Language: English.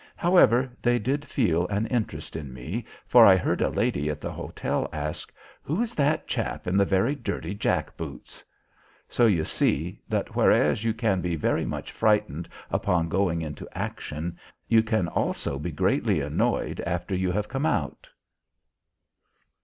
However, they did feel an interest in me, for I heard a lady at the hotel ask: "Who is that chap in the very dirty jack boots?" So you see, that whereas you can be very much frightened upon going into action, you can also be greatly annoyed after you have come out.